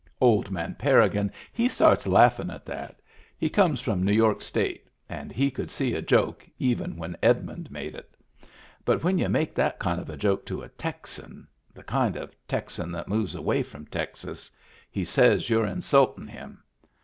Old man Parrigin he starts laughin' at that He come from New York state and he could see a joke, even when Edmund made it But when y'u make that kind of a joke to a Texan — the kind of Texan that moves away from Texas — he says you're insultin' him.